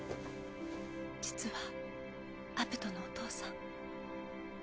実はアブトのお父さん。